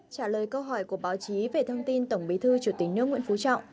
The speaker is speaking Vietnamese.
trả lời câu hỏi của báo chí về thông tin tổng bí thư chủ tịch nước nguyễn phú trọng